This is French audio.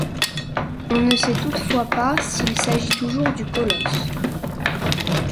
On ne sait toutefois pas s’il s’agit toujours du Colosse.